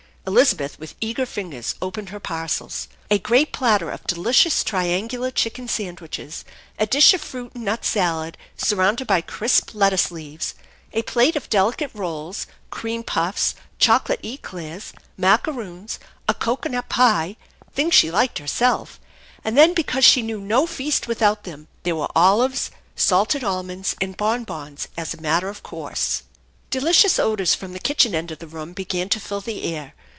Elizabeth with eager fingers opened her parcels. A great platter of delicious triangular chicken Sandwiches, a dish of fruit and nut salad surrounded by crisp lettuos THE ENCHAiSTTED BARN 125 leaves, a plate of delicate rolls, cream puffs, chocolate eclairs, macaroons, a cocoanut pie, things she liked herself ; and then because she knew no feast without them there were olives, salted almonds, and bonbons as a matter of course. Delicious odors from the kitchen end of the room began to fill the air.